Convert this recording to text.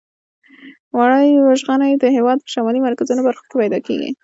وړۍ وژغنې د هېواد په شمالي مرکزي برخو کې پیداکیږي.